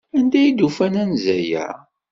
Anda ay d-ufan anza-a?